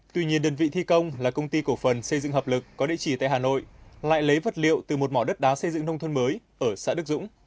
tuy nhiên đơn vị thi công là công ty cổ phần xây dựng hợp lực có địa chỉ tại hà nội lại lấy vật liệu từ một mỏ đất đá xây dựng nông thôn mới ở xã đức dũng